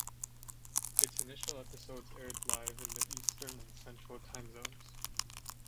Its initial episodes aired live in the Eastern and Central Time Zones.